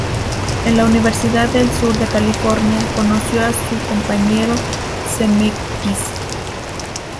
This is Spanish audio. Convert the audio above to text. En la Universidad del Sur de California conoció a su compañero Zemeckis.